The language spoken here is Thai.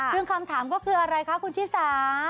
ซึ่งคำถามก็คืออะไรคะคุณชิสา